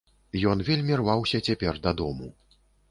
Ён вельмі рваўся цяпер дадому.